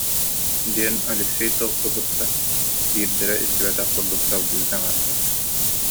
диэн Алексей тыл кыбытта, биирдэрэ истибэтэх курдук салгыы саҥарда: